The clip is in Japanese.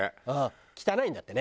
汚いんだってね。